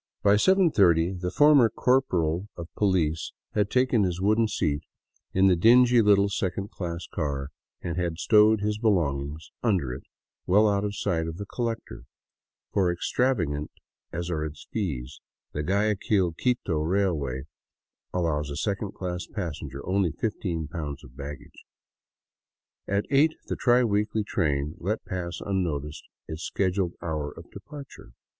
By 7:30 the former corporal of pohce had taken his wooden seat in the dingy little second class car, and had stowed his belongings under it well out of sight of the collector ; for extravagant as are its fares, the Guayaquil Quito Railway allows a second class passenger only fifteen pounds of baggage. At eight the tri weekly train let pass unnoticed its scheduled hour of departure.